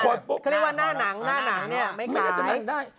เขาเรียกว่าหน้านังหน้านังเนี่ยไม่น่าจะดังได้